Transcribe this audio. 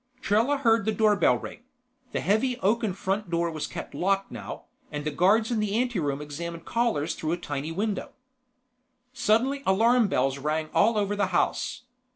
Trella heard the doorbell ring. The heavy oaken front door was kept locked now, and the guards in the anteroom examined callers through a tiny window. Suddenly alarm bells rang all over the house.